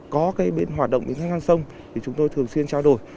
có cái bến hoạt động bến thanh giao thông thì chúng tôi thường xuyên trao đổi